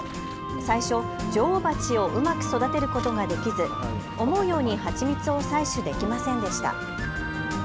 最初、女王バチをうまく育てることができず、思うように蜂蜜を採取できませんでした。